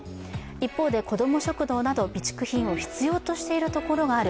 一方でこども食堂など備蓄品を必要としているところがある。